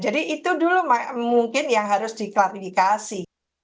jadi itu dulu mungkin yang harus diklarifikasi